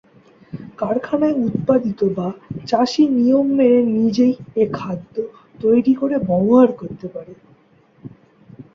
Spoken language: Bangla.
কারখানায় উৎপাদিত বা চাষী নিয়ম মেনে নিজেই এ খাদ্য তৈরি করে ব্যবহার করতে পারে।